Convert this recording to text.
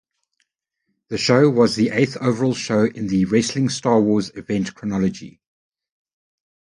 The show was the eighth overall show in the "Wrestling Star Wars" event chronology.